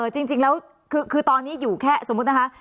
จริงแล้วคือตอนนี้อยู่แค่สมมุตินะคะ